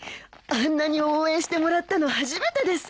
あんなに応援してもらったの初めてです。